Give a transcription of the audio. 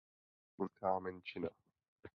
Ujgurové jsou umírněná sunnitská menšina.